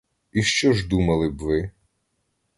І що ж думали б ви?